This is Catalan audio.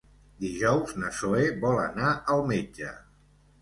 Dijous na Zoè vol anar al metge.